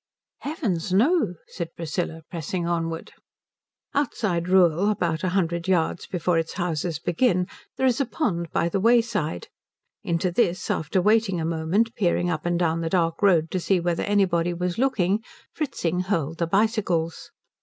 "Heavens, no," said Priscilla, pressing onward. Outside Rühl, about a hundred yards before its houses begin, there is a pond by the wayside. Into this, after waiting a moment peering up and down the dark road to see whether anybody was looking, Fritzing hurled the bicycles.